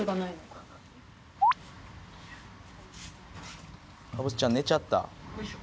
かぼすちゃん寝ちゃった。